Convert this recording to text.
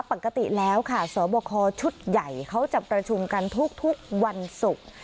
ปกติแล้วค่ะสอบคอชุดใหญ่เขาจะประชุมกันทุกวันศุกร์